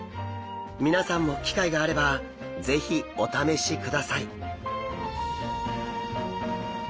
皆さんも機会があれば是非お試しください。